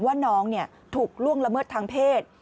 ว่าน้องถูกล่วงละเมิดทางเพศ